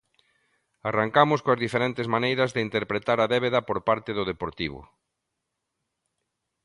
Arrancamos coas diferentes maneiras de interpretar a débeda por parte do Deportivo.